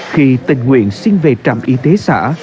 khi tình nguyện xin về trạm y tế xã